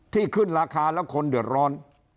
ขึ้นราคาแล้วคนเดือดร้อน